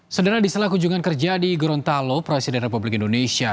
sederhana di sela kunjungan kerja di gorontalo presiden republik indonesia